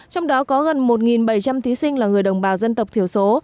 trong đó có gần một bảy trăm linh thí sinh là người đồng bào dân tộc thiểu số